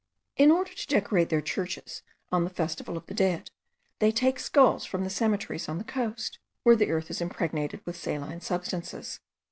In order to decorate their churches on the festival of the dead, they take skulls from the cemeteries on the coast, where the earth is impregnated with saline substances.